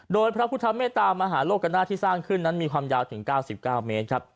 โดยพระพุทธเมตามหาโลกนาศที่สร้างขึ้นนั้นมีความยาวถึง๙๙เมตรครับ